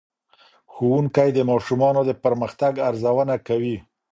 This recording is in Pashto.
ښوونکی د ماشومانو د پرمختګ ارزونه کوي.